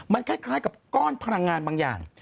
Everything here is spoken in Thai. มันคล้ายกับก้อนพลังงานบางอย่าง